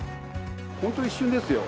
本当、一瞬ですよ。